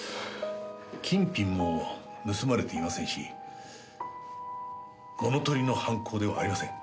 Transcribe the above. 金品も盗まれていませんし物盗りの犯行ではありません。